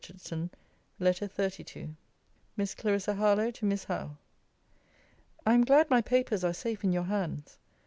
HARLOWE. LETTER XXXII MISS CLARISSA HARLOWE, TO MISS HOWE I am glad my papers are safe in your hands.